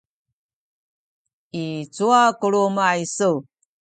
i cuwa ku luma’ isu?